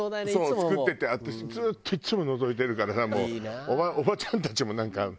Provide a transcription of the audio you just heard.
作ってて私ずっといっつものぞいてるからさもうおばちゃんたちもなんか。